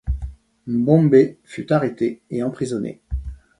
Mbombé fut arrêté et emprisonné.